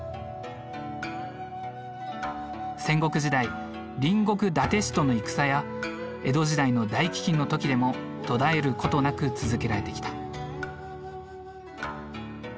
戦国時代隣国伊達氏との戦や江戸時代の大飢きんの時でも途絶えることなく続けられてきた。